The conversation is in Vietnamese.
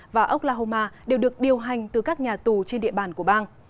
và oklahoma đều được điều hành từ các nhà tù trên địa bàn của bang